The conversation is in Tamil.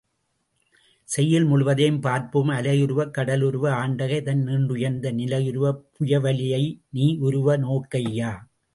செய்யுள் முழுமையும் பார்ப்போம் அலையுருவக் கடல் உருவத் ஆண்டகை தன் நீண்டுயர்ந்த நிலையுருவப் புயவலியை நீ யுருவ நோக்கையா?